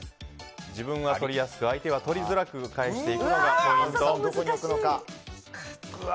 自分は取りやすく相手は取りづらく返していくのがポイント。